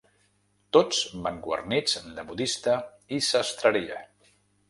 Tots van guarnits de modista i sastreria.